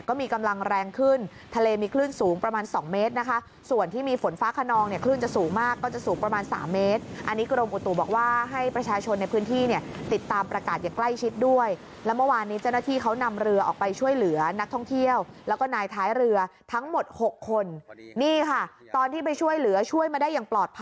ก็มีกำลังแรงขึ้นทะเลมีคลื่นสูงประมาณสองเมตรนะคะส่วนที่มีฝนฟ้าขนองเนี่ยคลื่นจะสูงมากก็จะสูงประมาณสามเมตรอันนี้กรมอุตุบอกว่าให้ประชาชนในพื้นที่เนี่ยติดตามประกาศอย่างใกล้ชิดด้วยแล้วเมื่อวานนี้เจ้าหน้าที่เขานำเรือออกไปช่วยเหลือนักท่องเที่ยวแล้วก็นายท้ายเรือทั้งหมด๖คนนี่ค่ะตอนที่ไปช่วยเหลือช่วยมาได้อย่างปลอดภัย